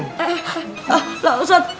ah lah ustadz